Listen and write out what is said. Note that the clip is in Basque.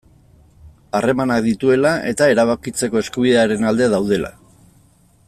Harremanak dituela eta erabakitzeko eskubidearen alde daudela.